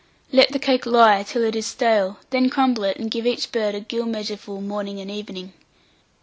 Let the cake lie till it is stale, then crumble it, and give each bird a gill measureful morning and evening.